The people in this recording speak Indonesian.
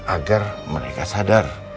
agar mereka sadar